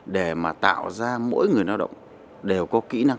để mà tạo ra mỗi người lao động đều có kỹ năng